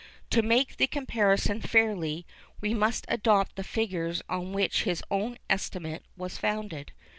To make the comparison fairly we must adopt the figures on which his own estimate was founded.